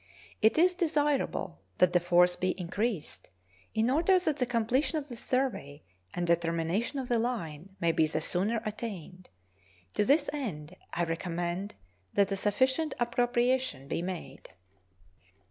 It is desirable that the force be increased, in order that the completion of the survey and determination of the line may be the sooner attained. To this end I recommend that a sufficient appropriation be made.